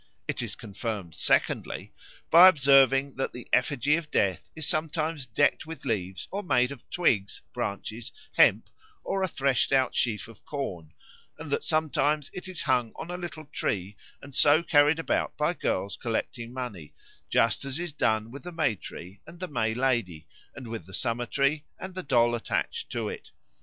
It is confirmed, secondly, by observing that the effigy of Death is sometimes decked with leaves or made of twigs, branches, hemp, or a threshed out sheaf of corn; and that sometimes it is hung on a little tree and so carried about by girls collecting money, just as is done with the May tree and the May Lady, and with the Summer tree and the doll attached to it.